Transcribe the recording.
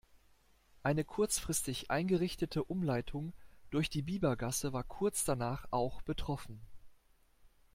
Eine kurzfristig eingerichtete Umleitung durch die Biebergasse war kurz danach auch betroffen.